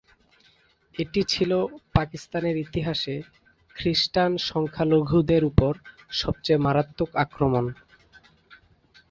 এটি ছিল পাকিস্তানের ইতিহাসে খ্রিস্টান সংখ্যালঘুদের উপর সবচেয়ে মারাত্মক আক্রমণ।